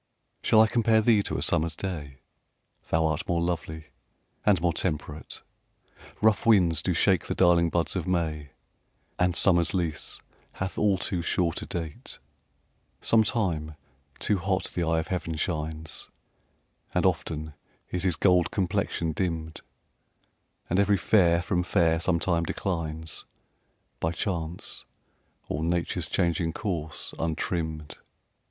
Shall I compare thee to a summer's day? Thou art more lovely and more temperate: Rough winds do shake the darling buds of May, And summer's lease hath all too short a date: Sometime too hot the eye of heaven shines, And often is his gold complexion dimm'd, And every fair from fair sometime declines, By chance, or nature's changing course, untrimm'd.